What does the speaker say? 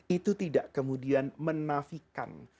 itu tidak kemudian menafikan